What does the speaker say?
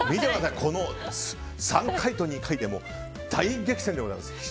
３回と２回で大激戦でございます。